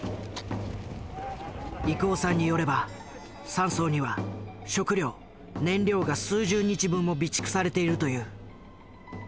郁男さんによれば山荘には食料燃料が数十日分も備蓄されているという。